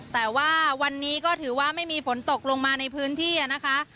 แต่ว่าวันนี้ก็ถือว่าไม่มีฝนตกลงมาในพื้นที่นะคะ